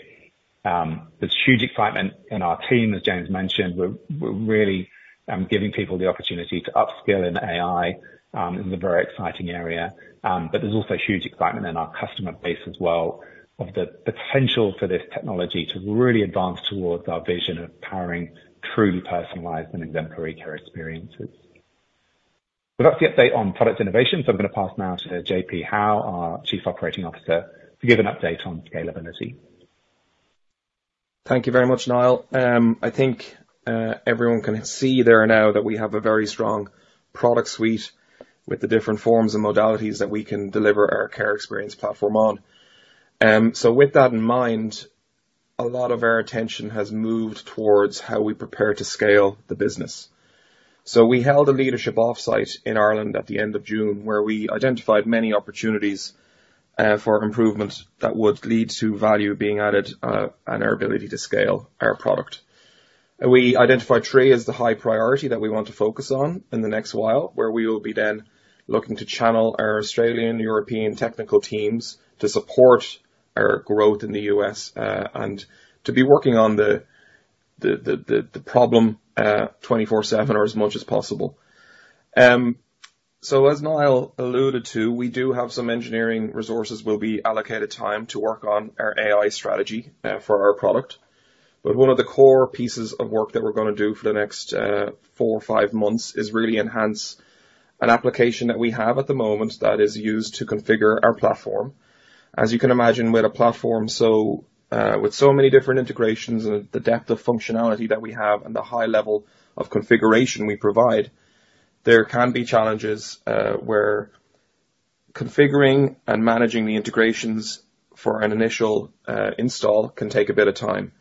There's huge excitement in our team, as James mentioned. We're really giving people the opportunity to upskill in AI. It's a very exciting area, but there's also huge excitement in our customer base as well of the potential for this technology to really advance towards our vision of powering truly personalized and exemplary care experiences. That's the update on product innovation. So I'm gonna pass now to JP Howe, our Chief Operating Officer, to give an update on scalability. Thank you very much, Niall. I think everyone can see there now that we have a very strong product suite with the different forms and modalities that we can deliver our care experience platform on. So with that in mind, a lot of our attention has moved towards how we prepare to scale the business. So we held a leadership offsite in Ireland at the end of June, where we identified many opportunities for improvement that would lead to value being added and our ability to scale our product. And we identified three as the high priority that we want to focus on in the next while, where we will be then looking to channel our Australian-European technical teams to support our growth in the US and to be working on the problem twenty-four/seven or as much as possible. So as Niall alluded to, we do have some engineering resources will be allocated time to work on our AI strategy for our product. But one of the core pieces of work that we're gonna do for the next four or five months is really enhance an application that we have at the moment that is used to configure our platform. As you can imagine, we're a platform, so with so many different integrations and the depth of functionality that we have and the high level of configuration we provide, there can be challenges where configuring and managing the integrations for an initial install can take a bit of time.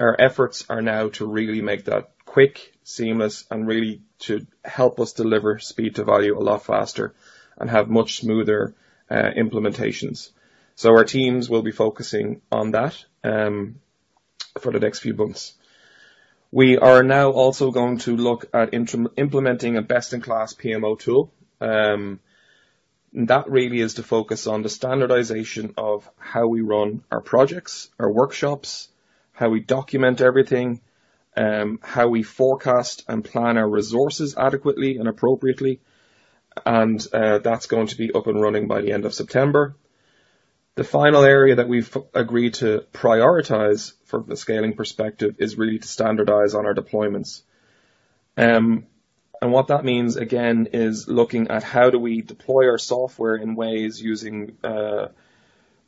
Our efforts are now to really make that quick, seamless, and really to help us deliver speed to value a lot faster and have much smoother implementations. So our teams will be focusing on that for the next few months. We are now also going to look at implementing a best-in-class PMO tool. That really is to focus on the standardization of how we run our projects, our workshops, how we document everything, how we forecast and plan our resources adequately and appropriately, and that's going to be up and running by the end of September. The final area that we've agreed to prioritize from the scaling perspective is really to standardize on our deployments. And what that means, again, is looking at how do we deploy our software in ways using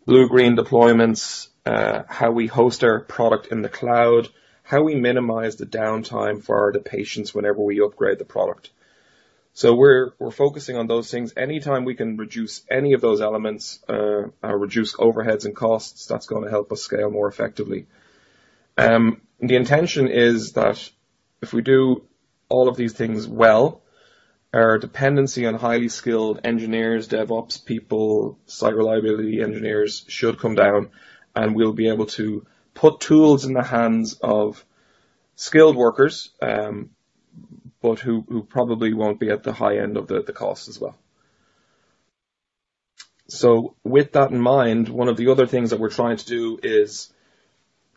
blue-green deployments, how we host our product in the cloud, how we minimize the downtime for the patients whenever we upgrade the product. So we're focusing on those things. Any time we can reduce any of those elements, or reduce overheads and costs, that's gonna help us scale more effectively. The intention is that if we do all of these things well, our dependency on highly skilled engineers, DevOps people, site reliability engineers, should come down, and we'll be able to put tools in the hands of skilled workers, but who probably won't be at the high end of the cost as well. So with that in mind, one of the other things that we're trying to do is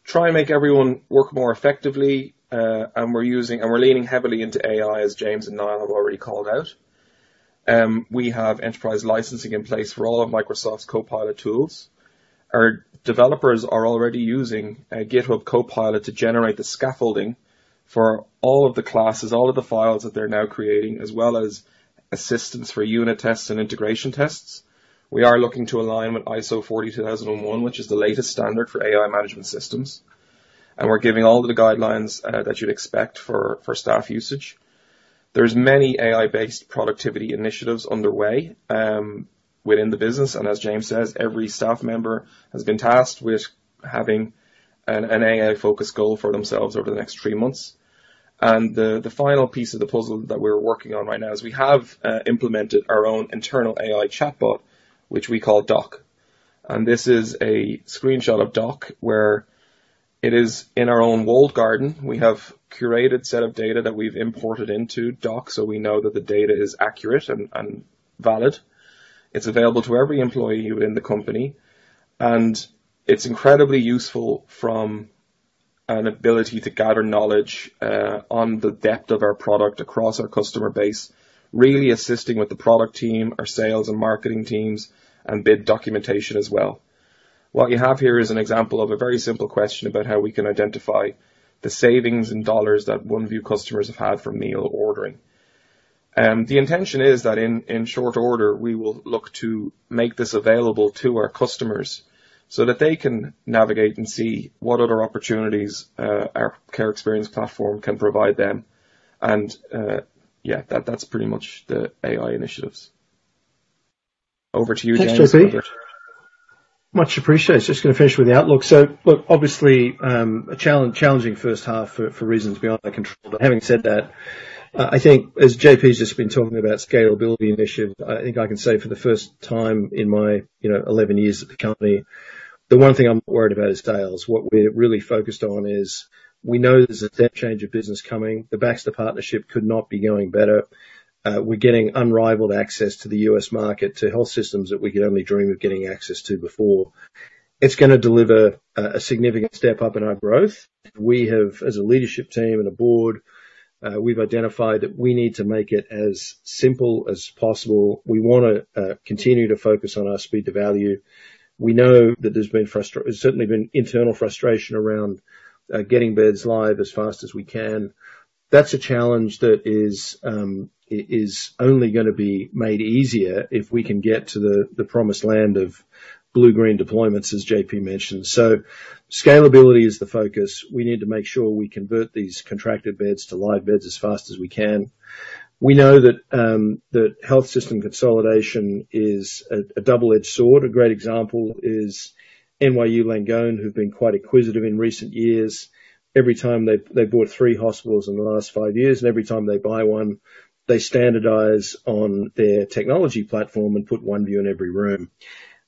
try and make everyone work more effectively, and we're leaning heavily into AI, as James and Niall have already called out. We have enterprise licensing in place for all of Microsoft's Copilot tools. Our developers are already using GitHub Copilot to generate the scaffolding for all of the classes, all of the files that they're now creating, as well as assistance for unit tests and integration tests. We are looking to align with ISO 42001, which is the latest standard for AI management systems, and we're giving all the guidelines that you'd expect for staff usage. There's many AI-based productivity initiatives underway within the business, and as James says, every staff member has been tasked with having an AI-focused goal for themselves over the next three months, and the final piece of the puzzle that we're working on right now is we have implemented our own internal AI chatbot, which we call Doc. And this is a screenshot of Doc, where it is in our own walled garden. We have curated set of data that we've imported into Doc, so we know that the data is accurate and valid. It's available to every employee within the company, and it's incredibly useful from an ability to gather knowledge on the depth of our product across our customer base, really assisting with the product team, our sales and marketing teams, and bid documentation as well. What you have here is an example of a very simple question about how we can identify the savings and dollars that Oneview customers have had from meal ordering. The intention is that in short order, we will look to make this available to our customers so that they can navigate and see what other opportunities our care experience platform can provide them. And that's pretty much the AI initiatives. Over to you, James. Thanks, JP. Much appreciated. Just gonna finish with the outlook. So look, obviously, challenging first half for reasons beyond our control. But having said that, I think as JP's just been talking about scalability initiatives, I think I can say for the first time in my, you know, eleven years at the company, the one thing I'm worried about is sales. What we're really focused on is we know there's a step change of business coming. The Baxter partnership could not be going better. We're getting unrivaled access to the U.S. market, to health systems that we could only dream of getting access to before. It's gonna deliver a significant step up in our growth. We have, as a leadership team and a board, we've identified that we need to make it as simple as possible. We wanna continue to focus on our speed to value. We know that there's been frustration. There's certainly been internal frustration around getting beds live as fast as we can. That's a challenge that is only gonna be made easier if we can get to the promised land of blue-green deployments, as JP mentioned, so scalability is the focus. We need to make sure we convert these contracted beds to live beds as fast as we can. We know that health system consolidation is a double-edged sword. A great example is NYU Langone, who've been quite acquisitive in recent years. Every time they've bought three hospitals in the last five years, and every time they buy one, they standardize on their technology platform and put Oneview in every room.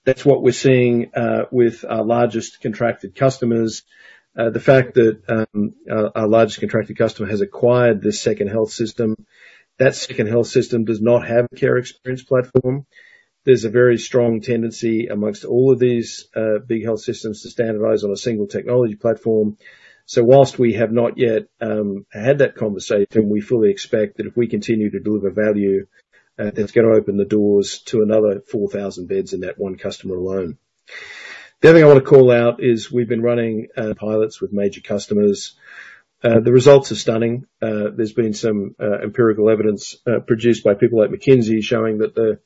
That's what we're seeing with our largest contracted customers. The fact that our largest contracted customer has acquired this second health system, that second health system does not have the Care Experience Platform. There's a very strong tendency among all of these big health systems to standardize on a single technology platform. So while we have not yet had that conversation, we fully expect that if we continue to deliver value, it's gonna open the doors to another 4,000 beds in that one customer alone. The other thing I want to call out is we've been running pilots with major customers. The results are stunning. There's been some empirical evidence produced by people like McKinsey, showing that the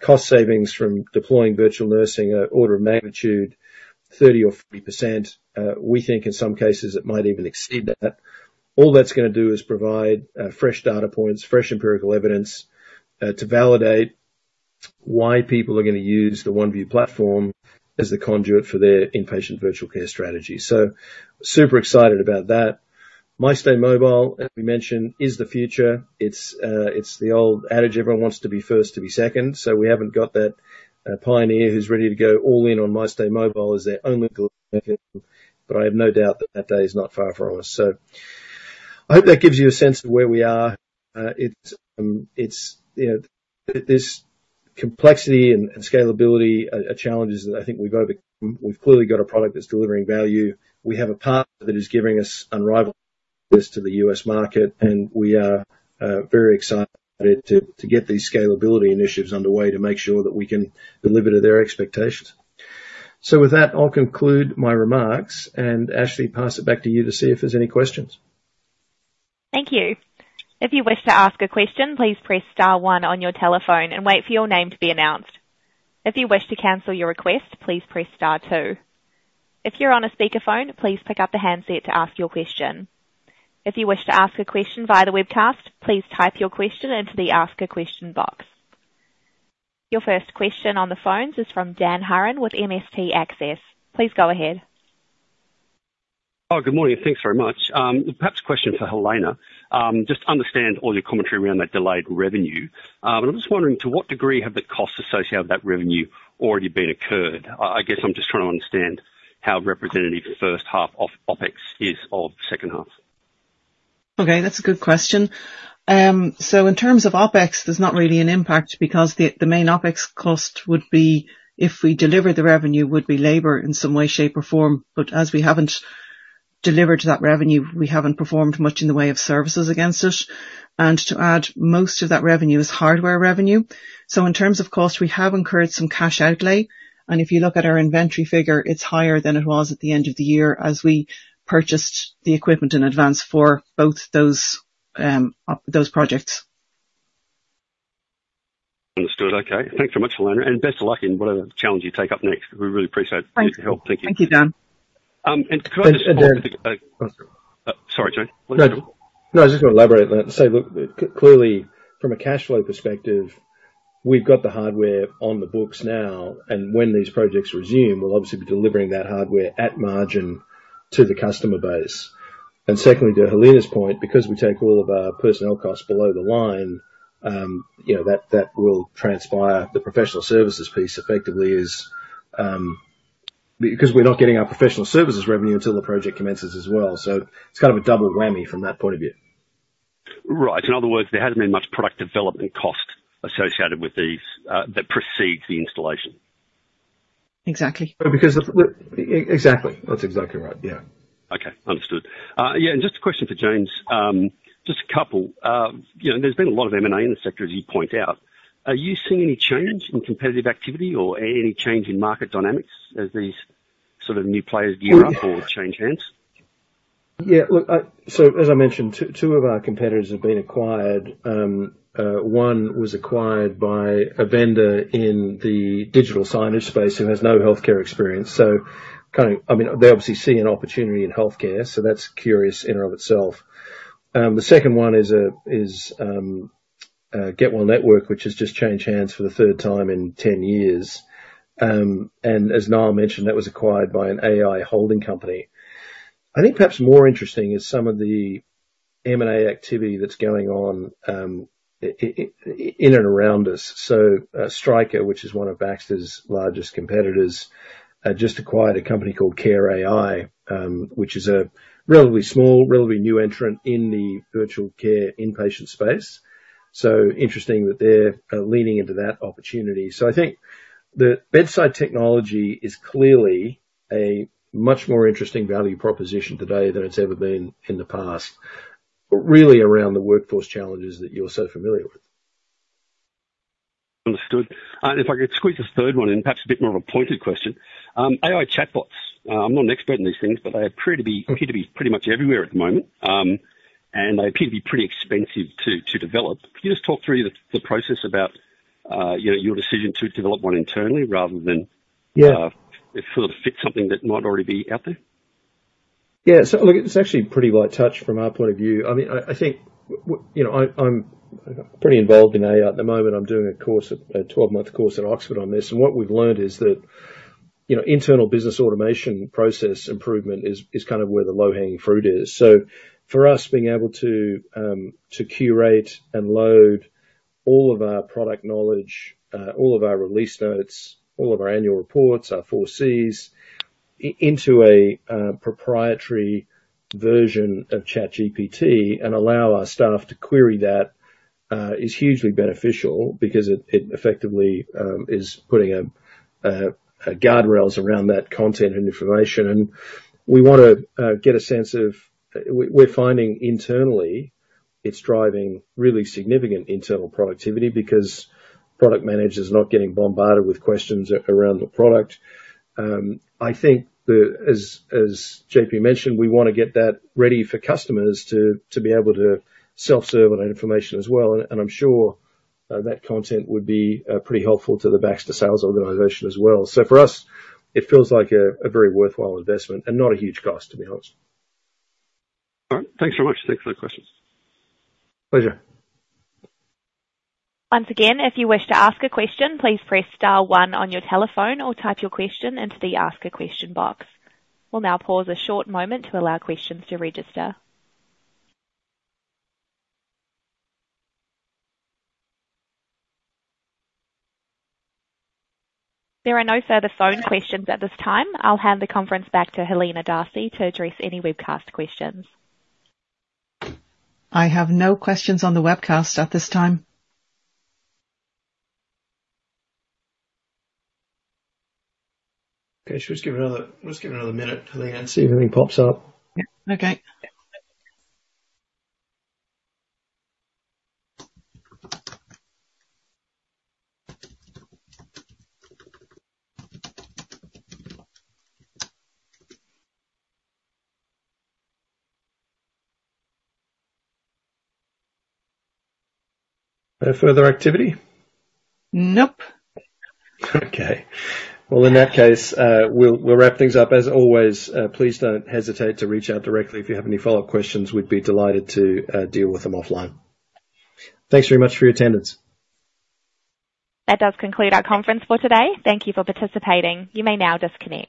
cost savings from deploying virtual nursing are order of magnitude 30% or 40%. We think in some cases it might even exceed that. All that's gonna do is provide fresh data points, fresh empirical evidence to validate why people are gonna use the Oneview platform as the conduit for their inpatient virtual care strategy. So, super excited about that. MyStay Mobile, as we mentioned, is the future. It's the old adage, everyone wants to be first to be second, so we haven't got that pioneer who's ready to go all in on MyStay Mobile as their only but I have no doubt that that day is not far from us. So I hope that gives you a sense of where we are. It's, you know, this complexity and scalability are challenges that I think we've overcome. We've clearly got a product that's delivering value. We have a partner that is giving us unrivaled access to the U.S. market, and we are very excited to get these scalability initiatives underway to make sure that we can deliver to their expectations. So with that, I'll conclude my remarks, and Ashley, pass it back to you to see if there's any questions. Thank you. If you wish to ask a question, please press star one on your telephone and wait for your name to be announced. If you wish to cancel your request, please press star two. If you're on a speakerphone, please pick up the handset to ask your question. If you wish to ask a question via the webcast, please type your question into the Ask a Question box. Your first question on the phones is from Dan Haran with MST Access. Please go ahead. Oh, good morning. Thanks very much. Perhaps a question for Helena. Just understand all your commentary around that delayed revenue. And I'm just wondering, to what degree have the costs associated with that revenue already been incurred? I guess I'm just trying to understand how representative the first half of OpEx is of second half. Okay, that's a good question. So in terms of OpEx, there's not really an impact because the main OpEx cost would be if we deliver the revenue, would be labor in some way, shape, or form. But as we haven't delivered to that revenue, we haven't performed much in the way of services against it. And to add, most of that revenue is hardware revenue. So in terms of cost, we have incurred some cash outlay, and if you look at our inventory figure, it's higher than it was at the end of the year as we purchased the equipment in advance for both those projects. Understood. Okay. Thanks so much, Helena, and best of luck in whatever challenge you take up next. We really appreciate- Thanks. your help. Thank you. Thank you, Dan. And could I just- And, Dan- Sorry, James. No, I just wanna elaborate on that and say, look, clearly from a cash flow perspective, we've got the hardware on the books now, and when these projects resume, we'll obviously be delivering that hardware at margin to the customer base. And secondly, to Helena's point, because we take all of our personnel costs below the line, you know, that will transpire. The professional services piece effectively is because we're not getting our professional services revenue until the project commences as well. So it's kind of a double whammy from that point of view. Right. In other words, there hasn't been much product development cost associated with these, that precedes the installation? Exactly. Because exactly. That's exactly right. Yeah. Okay. Understood. Yeah, and just a question for James. Just a couple. You know, there's been a lot of M&A in the sector, as you point out. Are you seeing any change in competitive activity or any change in market dynamics as these sort of new players gear up or change hands? Yeah, look. So as I mentioned, two of our competitors have been acquired. One was acquired by a vendor in the digital signage space who has no healthcare experience. So kind of. I mean, they obviously see an opportunity in healthcare, so that's curious in and of itself. The second one is GetWellNetwork, which has just changed hands for the third time in ten years. And as Niall mentioned, that was acquired by an AI holding company. I think perhaps more interesting is some of the M&A activity that's going on in and around us. So, Stryker, which is one of Baxter's largest competitors, just acquired a company called Care.ai, which is a relatively small, relatively new entrant in the virtual care inpatient space. So interesting that they're leaning into that opportunity. So I think the bedside technology is clearly a much more interesting value proposition today than it's ever been in the past, but really around the workforce challenges that you're so familiar with. Understood, and if I could squeeze a third one in, perhaps a bit more of a pointed question. AI chatbots. I'm not an expert in these things, but they appear to be pretty much everywhere at the moment, and they appear to be pretty expensive to develop. Can you just talk through the process about, you know, your decision to develop one internally rather than- Yeah ... sort of fit something that might already be out there? Yeah, so look, it's actually pretty light touch from our point of view. I mean, I think, you know, I'm pretty involved in AI at the moment. I'm doing a twelve-month course at Oxford on this, and what we've learned is that, you know, internal business automation process improvement is kind of where the low-hanging fruit is. So for us, being able to curate and load all of our product knowledge, all of our release notes, all of our annual reports, our four Cs into a proprietary version of ChatGPT and allow our staff to query that is hugely beneficial because it effectively is putting guardrails around that content and information. And we want to get a sense of... We're finding internally, it's driving really significant internal productivity because product managers not getting bombarded with questions around the product. I think, as JP mentioned, we wanna get that ready for customers to be able to self-serve on that information as well. I'm sure that content would be pretty helpful to the Baxter sales organization as well. So for us, it feels like a very worthwhile investment and not a huge cost, to be honest. All right. Thanks so much. Thanks for the questions. Pleasure. Once again, if you wish to ask a question, please press star one on your telephone or type your question into the Ask a Question box. We'll now pause a short moment to allow questions to register. There are no further phone questions at this time. I'll hand the conference back to Helena D’Arcy to address any webcast questions. I have no questions on the webcast at this time. Okay. Should we just give it another minute, Helena, and see if anything pops up? Yeah. Okay. No further activity? Nope. Okay. Well, in that case, we'll wrap things up. As always, please don't hesitate to reach out directly if you have any follow-up questions. We'd be delighted to deal with them offline. Thanks very much for your attendance. That does conclude our conference for today. Thank you for participating. You may now disconnect.